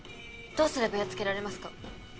どうすればやっつけられますか？